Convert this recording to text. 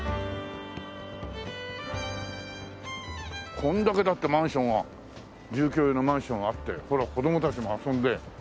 こんだけだってマンションが住居用のマンションあってほら子供たちも遊んで。